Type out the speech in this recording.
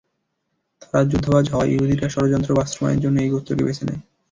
তারা যুদ্ধবাজ হওয়ায় ইহুদীরা ষড়যন্ত্র বাস্তবায়নের জন্য এই গোত্রকে বেছে নেয়।